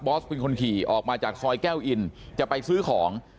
เป็นคนขี่ออกมาจากซอยแก้วอินจะไปซื้อของ